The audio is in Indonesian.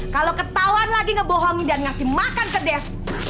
kalau ketauan lagi ngebohongin dan ngasih makan ke dev